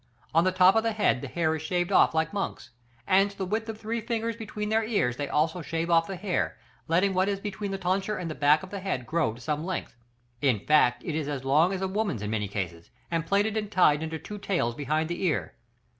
On the top of the head the hair is shaved off like monks, and to the width of three fingers between their ears they also shave off the hair, letting what is between the tonsure and the back of the head grow to some length; in fact it is as long as a woman's in many cases, and plaited and tied in two tails behind the ear.